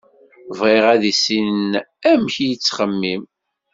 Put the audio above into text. Bɣiɣ ad issinen amek i yettxemmim.